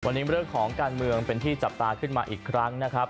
วันนี้เรื่องของการเมืองเป็นที่จับตาขึ้นมาอีกครั้งนะครับ